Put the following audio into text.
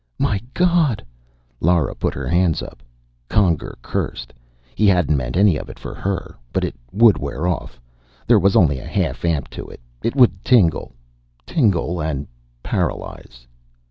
"My God " Lora put her hands up. Conger cursed. He hadn't meant any of it for her. But it would wear off. There was only a half amp to it. It would tingle. Tingle, and paralyze.